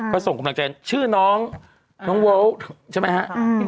ก็ส่งกำลังใจชื่อน้องน้องโวลใช่ไหมฮะ